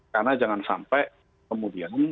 karena jangan sampai kemudian